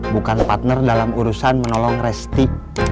bukan partner dalam urusan menolong restic